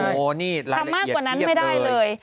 โอ้โฮนี่รายละเอียดเพียบเลยทำมากกว่านั้นไม่ได้เลย